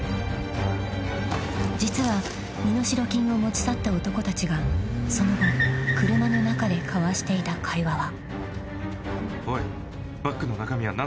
［実は身代金を持ち去った男たちがその後車の中で交わしていた会話は］